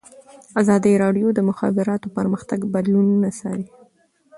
ازادي راډیو د د مخابراتو پرمختګ بدلونونه څارلي.